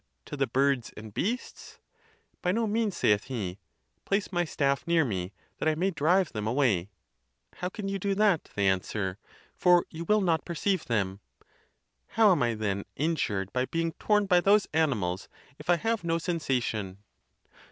to the birds and beasts?" " By no means," saith he; "place my staff near me, that I may drive them away." "How can you do that," they answer, "for you will not perceive them?" "How am I then in 56 THE TUSCULAN DISPUTATIONS. jured by being torn by those animals, if I have no sensa tion?"